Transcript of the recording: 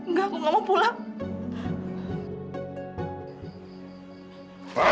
nggak aku nggak mau pulang